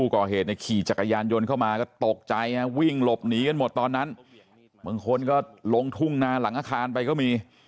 ก็ได้แค่หลบได้แค่หนีครับ